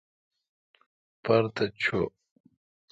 پرتھ چو۔